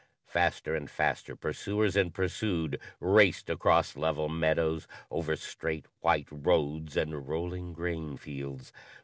Faster and faster pursuers and pursued raced across level meadows, over straight, white roads and rolling grain fields.